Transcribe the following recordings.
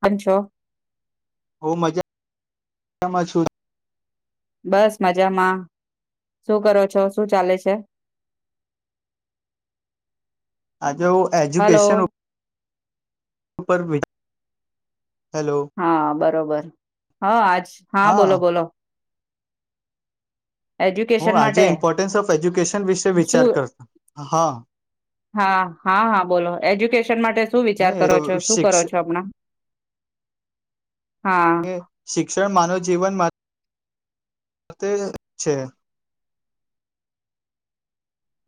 પાચછો હું મજામાં છું. બસ મજામાં, શું કરો છો, શું ચાલે છે? આજે હું હલો એજ્યુકેશન ઉપર વિ હેલો. હા બરોબર, હ આજ હા બોલો બોલો. હું એજ્યુકેશન માટે આજે ઈમ્પોર્ટન્સ ઓફ એજ્યુકેશન વિશે વિચાર શું કરવા હા. હા હા હા બોલો એજ્યુકેશન માટે શું વિચાર કરો છો, નહી શું શિક્ષ કરો છો હમણાં? હા. શિક્ષણ માનવ જીવનમાં તે છે.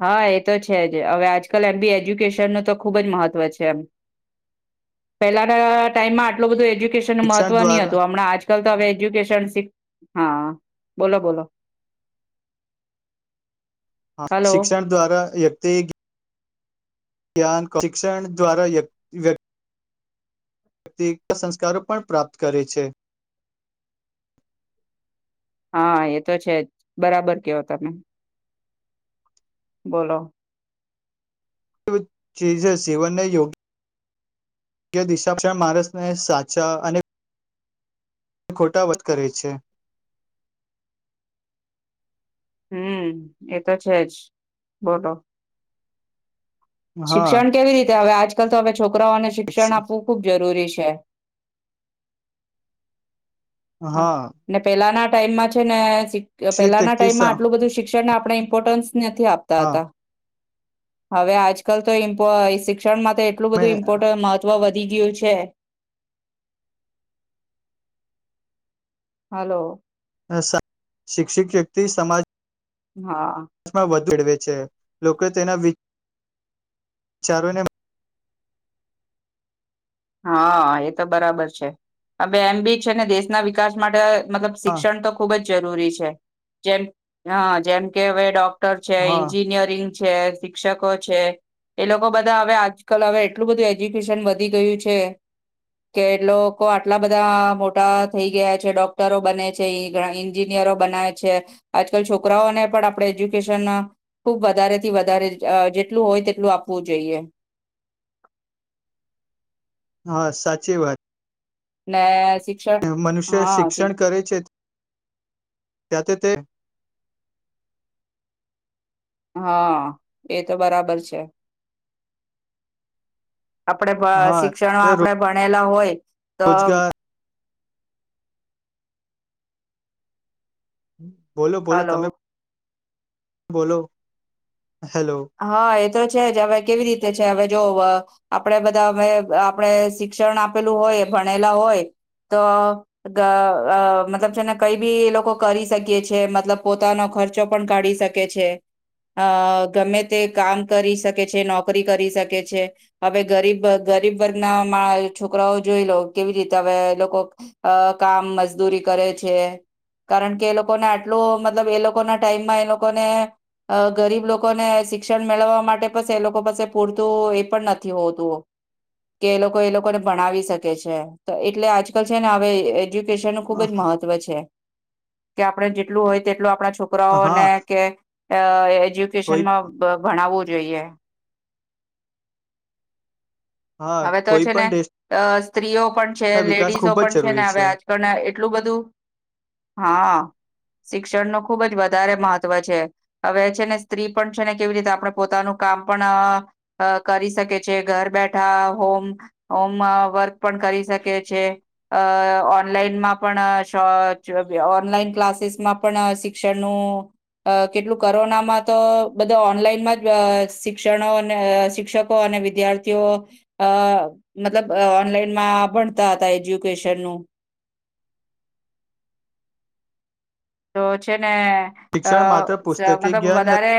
હા એ તો છે જ હવે આજકાલ એમ બી એજ્યુકેશનનું તો ખૂબ જ મહત્વ છે એમ. પહેલાના ટાઈમમાં આટલું બધું એજ્યુ નુ શિક્ષણ મહત્વ ની દ્વારા હતું હમણાં આજકાલ તો હવે એજ્યુકેશન શી હા બોલો બોલો. હ હલો શિક્ષણ દ્વારા વ્યક્તિ ધ્યાન, શિક્ષણ દ્વારા વ્યક્તિ વ્યક્તિ સંસ્કારો પણ પ્રાપ્ત કરે છે. હા એ તો છે જ બરાબર કેવો તમે બોલો. તુ ચીજે સીવનને યોગ કે દિશા, માર્ગદર્શન માણસને સાચા અને ખોટા વત કરે છે. હમ્મ, એ તો છે જ બોલો. હા શિક્ષણ કેવી રીતે હવે આજકાલ તો હવે છોકરાઓને શિક્ષણ આપવું ખૂબ જરૂરી છે. હા ને પેલાના ટાઈમમાં છે ને શિક્ષિત પેહલાના વ્યક્તિ ટાઈમમાં આટલું બધું શી ક્ષણને આપણે ઈમ્પોર્ટન્સ નથી આપતાં હા હતાં. હવે આજકાલ તો ઇમ્પ શિક્ષણ માં તો એટલું બધું ઇમ્પોર્ટ વ વધી ગયું છે. હલો શિક્ષિત વ્યક્તિ સમાજ હા [inaudible] છે લોકો તેના વિચારોને હા એ તો બરાબર છે હ એમ બી છે ને દેશના વિકાસ માટે મતલબ શિક્ષણ તો ખુબ જ જરૂરી છે જેમ હ જેમ કે હવે ડોક ડક્ટર છે, હા એન્જિનિયરિંગ છે, શિક્ષકો છે એ લોકો બધા હવે આજકલ હવે એટલું બધું એજ્યુકેશન વધી ગયું છે. [inaudible] કે એ લોકો આટલા બધા મોટા થઈ ગયા છે ડોક્ટરો બને છે એ એન્જિનિયરો બનાવે છે આજકાલ છોકરાઓને પણ આપણે એજ્યુકેશન ખુબ વધારે થી વધારે જેટલું હોય તેટલું આપવું જોઈએ હા સાચી વાત મેં અસી મનુષ્ય શિક્ષણ કરે છે તેથી તે હા એ તો બરાબર છે આપણે હા શિક્ષણમાં આપણે ભણેલા હોય તો રોજગાર બોલો બોલો હલો તમે બોલો હેલો હા એ તો છે જ હવે કેવી રીતે છે હવે જો આપણેે બધા અમે આપણેે શિક્ષણ આપેલુ હોય ભણેલા હોય તો ક અ મતલબ જેને કઈ બી લોકો કરી શકી છે મતલબ પોતાનો ખર્ચો પણ કાઢી શકે કે છે અ ગમે તે કામ કરી શકે છે નોકરી કરી શકે છે હવે ગરીબ ગરીબ વર્ગના છોકરાઓ જોઈ લો કેવી રીતે હવે લોકો અ કામ મજદુરી કરે છે કારણ કે એ લોકોને આટલો મતલબ એ લોકો ના ટાઈમમાં એ લોકોને અ ગરીબ લોકો ને શી શિક્ષણ મેળવવા માટે એ લોકો બસે પૂરતું એ પણ નથી હોતું કે એ લોકો એ લોકોને ભણાવી શકે છે તો એટલે આજકાલ છે ને હવે એજ પૈસા નું ખુબ જ મહત્વ છે કે આપણે જેટલું હોય તેટલું આપણા છોક હા છોકરાઓને કે કોઈ એજ્યુકેશનમાં ભણાવવું જોઈએ હા હવે તો કોઈ છે ને પણ દેશના સ્ત્રીઓ પણ છે વિકાસ લેડીઝો ખૂબ જ પણ છે ને જરૂરી હવે આ પણ એટલું બધું હા શિક્ષણ ન ખુબ જ વધારે મહત્વ છે હવે છે ને સ્ત્રી પણ છે ને કેવી રીતે આપણે પોતાનું કામ પણ અ કરી શકે છે ઘર બેઠ આ હોમ હોમમાં વર્ક પણ કરી શકે છે અ ઓનલાઈનમાં પણ શ [unintelligible] ઓનલાઈન ક્લાસીસમાં પણ પણ આ શિક્ષણ નું અ કેટલું કોરોનામાં તો બધા ઓનલાઈનમાં જ શિક્ષણો શિક્ષક અને વિદ્યાર્થીઓ અ મતલબ ઓનલાઈનમાં ભણતા હતા એજ્યુકેશન નું તો છે ને અ શિક્ષણ માત્ર પુસ્તકીય મતલબ જ્ઞાન વધારે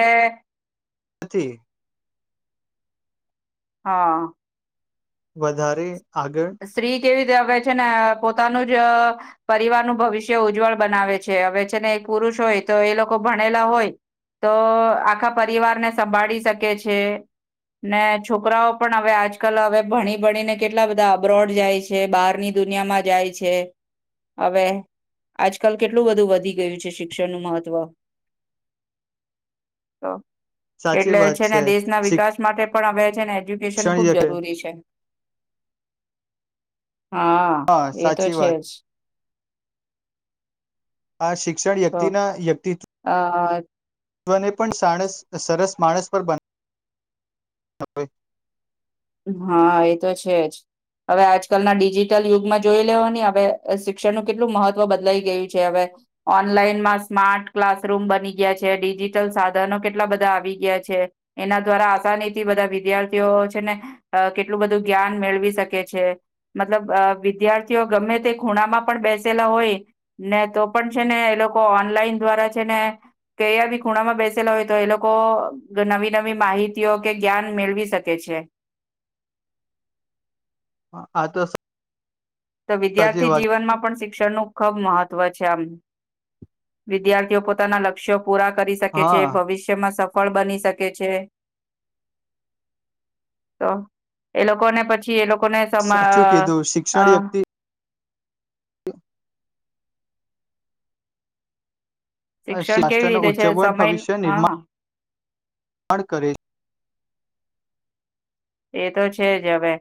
નથી હા વધારે આગળ સ્ત્રી કેવી રીતે આવે છે ને પોતાનું જ પરિવાર નું ભવિષ્ય ઉજ્જવળ બનાવે છે હવે છે ને એક પુરુષ હોય તો એ લોકો ભણેલા હોય તો આખા પરિવારને સંભાળી શકે છે. ને છોકરાઓ પણ હવે આજકાલ હવે ભણી ભણી ને કેટલા બધા બ્રોડ જાય છે બહારની દુનિયામાં જાય છે. હવે આજકાલ કેટલું બધું વધી ગયું છે શિક્ષણનું મહત્વ તો સાચી એટલે વાત છે ને દેશના વિકાસ માટે પણ હવે છે ને એજ્યુકેશન ખુબ શિક્ષણ જરૂરી છે. હા એ તો સાચી છે વાત જ આ શિક્ષણ વ્યક્તિ ના વ્યક્તિ હા હા ત્વ ને પણ સાણસ સરસ માણસ પર બ નાવે હા એ તો છે જ હવે આજકાલના ડિજિટલ યુગમાં જોઈ લેવો ની હવે શિક્ષણનું કેટલું મહત્વ બદલાઈ ગયું છે હવે ઓનલાઈનમાં સ્માર્ટ ક્લાસરૂમ બની ગયા છે ડિજીટલ સાધનો કેટલા બધા આવી ગયા છે. એના દ્વારા આસાનીથી બધા વિદ્યાર્થીઓ છે ને અ કેટલું બધું જ્ઞાન મેળવી શકે છે. મતલબ વિદ્યાર્થીઓ ગમે તે ખૂણામાં પણ બેસેલા હોય ને તો પણ છે ને એ લોકો ઓનલાઈન દ્વારા છે ને કયા ભી ખૂણામાં બેસેલા હોય તો એ લોકો નવી નવી માહિતીઓ કે જ્ઞાન મેળવી શકે છે. [unintelligible] તો સાચી વિદ્યાર્થી વાત જીવનમાં પણ શિક્ષણનું ખબ મહત્વ છે આમ વિદ્યાર્થીઓ પોતાના લક્ષ્યો પૂરા કરી શકે છે હા ભવિષ્યમાં સફળ બની શકે છે. તો એ લોકોને પછી એ લોકોને સાચું કીધું શિક્ષણ [unintelligible] વ્યક્તિ શિક્ષણ કેવી રાષ્ટ્રનું રીતે છે ઉજ્જવળ સમય હા હ પણ કરે એ તો છે જ હવે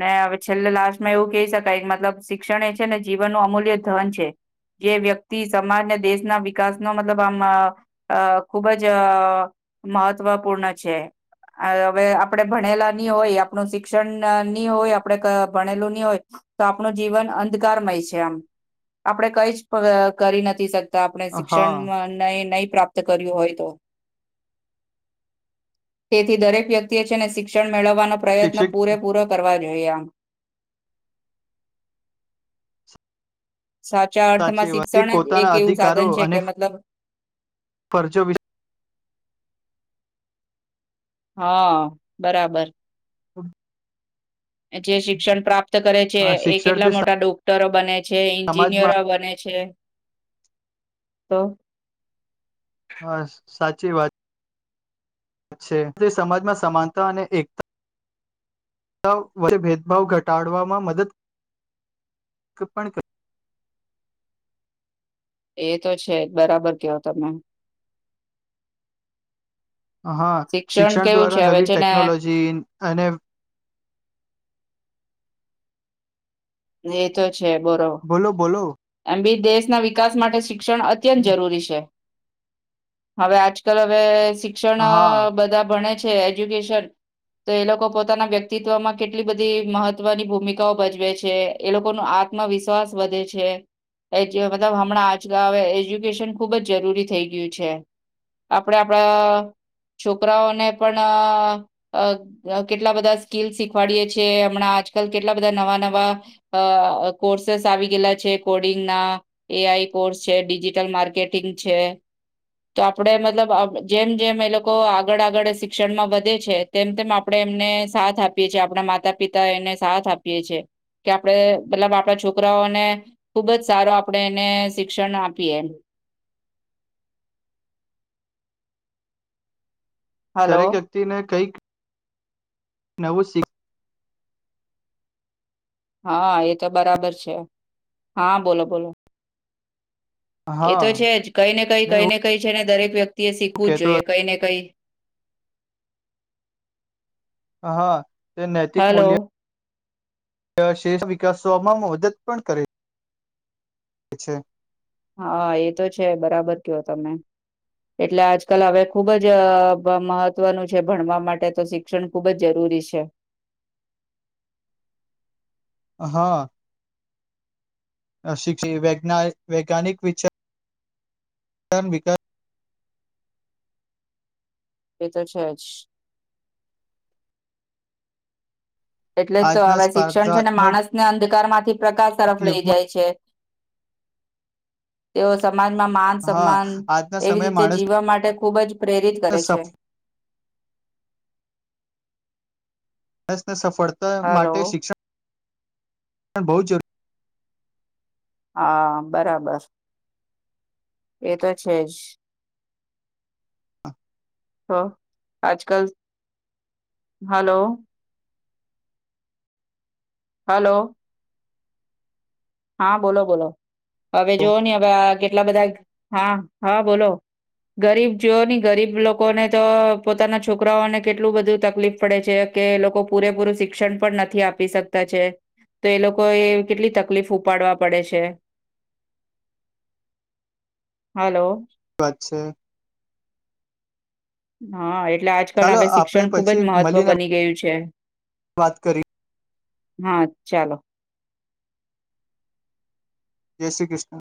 ને હવે છેલ્લે લાસ્ટમાં એવું કહી શકાય કે મતલબ શિક્ષણ એ છે ને જીવનનું અમૂલ્ય ધન છે. જે વ્યક્તિ સમાજને દેશના વિકાસનો મતલબ આમ અ અ ખુબ જ મહત્વપૂર્ણ છે. આ હવે આપડે ભણેલા ની હોય આપણું શિક્ષણ ની હોય આપડે ભણેલું ની હોય તો આપણું જીવન અંધકારમય છે આપડે કઈ જ કરી નથી શક તા આપણે હા શિક્ષણ ન નહી પ્રાપ્ત કર્યું હોય તો. તેથી દરેક વ્યક્તિએ છે ને શિક્ષણ મેળવવાનો પ્રયત્ન શિક્ષક પૂરે પૂરો કરવા જોઈએ આમ સાચા અર્થમાં સાચી વાત શિક્ષણ જ પોતાના એક એવું અધિકારો સાધન છે કે મતલબ ફર્જો વિ હા બરાબર [inaudible] જે શિક્ષણ પ્રાપ્ત કરે છે એ કેટલા શિક્ષણથી મોટા ડોક્ટરો બને છે એન્જિનિયરો સમાજમાં બને છે તો હા સાચી વાત છે તે સમાજમાં સમાનતા અને એકતા [inaudible] ભેદભાવ ઘટાડવામાં મદદ પણ [inaudible] એ તો છે બરાબર કેવો તમે હા શિક્ષણ કેવું છે દ્વારા હવે નવી છે ને ટેકનોલોજી અને એ તો છે બોરો બોલો બોલો એમ બી દેશના વિકાસ માટે શિક્ષણ અત્યંત જરૂરી છે. હવે આજકાલ હવે શિક્ષણ હા બધા ભણે છે. જે એજ્યુકેશન તો એ લોકો પોતાના વ્યક્તિત્વમાં કેટલી બધી મહત્વની ભૂમિકાઓ ભજવે છે. એ લોકોનુ આત્મવિશ્વાસ વધે છે. એ જે મતલબ હમના આજકા હવે એજ્યુકેશન ખુબ જ જરૂરી થઈ ગયું છે. આપડે આપડા છોકરાઓને પણ અ કેટલા બધા સ્કીલ શીખવાડીએ છીએ હમણાં આજકાલ કેટલા બધા નવા નવા અ કોર્સેસ આવી ગયેલા છે. કોડિંગ ના એ આઈ કોર્સ છે, ડિજિટલ માર્કેટિંગ છે. તો આપડે મતલબ જેમ જેમ એ લોકો આગળ આગળ શિક્ષણમાં વધે છે. તેમ તેમ આપડે એમને સાથ આપીએ છીએ આપણા માતા પિતા એને સાથ આપીએ છીએ. કે આપડે મતલબ આપડા છોકરાઓને ખુબ જ સારો આપણે એને શિક્ષણ આપીએ હલો દરેક વ્યક્તિ ને કઈક નવું શીખ હા એ તો બરાબર છે હા બોલો બોલો એ હા તો છે જ કઈ ને કઈ નહી કઈ ને હું કઈ છે ને દરેક વ્યક્તિ એ શીખવું જ કેતો જોઈએ કઈ ને કઈ હા તે નૈતિક હલો મૂલ્ય શેસ વિકસવામાં મદદ પણ કરે છે. હા એ તો છે બરાબર કયો તમે એટલે આજકાલ હવે ખુબ જ મહત્વનું છે ભણવા માટે તો શી ક્ષણ ખુબ જ જરૂરી છે. હા અ શિકષ્ વૈજ્ઞાનિક વિ વિકાસ એ તો છે જ એટલે તો આજના હવે શિક્ષણ છે ને સ્પર્ધાત્મક માણસ ને અંધકારમાંથી પ્રકાશ તરફ લઇ યુગમાં જાય છે. તેઓ સમાજમાં માન હા સમાન આજના એવી સમયે રીતે માણસ જીવવા માટે ખૂબ જ પ્રેરિત કરે છે. માણસને સફળતા હલો માટે શિક્ષણ બહુ જરૂરી હા બરાબર એ તો છે જ જરૂરી તો આજ કલ હાલો હલો હા બોલો બોલો હવે જોવો ને હવે આ કેટલા બધા હા હા બોલો ગરીબ જો ની ગરીબ લોકોને તો પોતાના છોકરાઓને કેટલું બધું તકલીફ પડે છે કે લોકો પૂરેપૂરું શિક્ષણ પણ નથી આપી શકતા છે. તો એ લોકો એ કેટલી તક લીફ ઉપાડવા પડે છે હલો વાત છે. હા એટલે આજકાલ ચાલો હવે આપણે શિક્ષણ ખુબ જ પછી મહત્વ મળીને બની ગયું છે. વાત કરી હા ચાલો જય શ્રી કૃષ્ણ